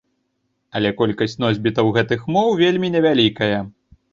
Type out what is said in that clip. Але колькасць носьбітаў гэтых моў вельмі невялікая.